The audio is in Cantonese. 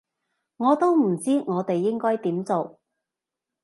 我都唔知我哋應該點做